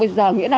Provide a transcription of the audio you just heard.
bây giờ nghĩa là